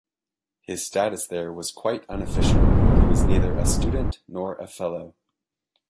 His status there was quite unofficial; he was neither a student nor a fellow.